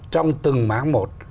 trong từng mảng một